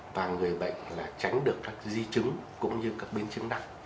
và người bệnh là tránh được các di chứng cũng như các biến chứng nặng